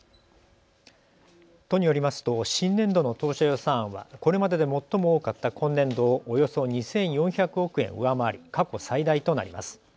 都によりますと新年度の当初予算案はこれまでで最も多かった今年度をおよそ２４００億円上回り過去最大となります。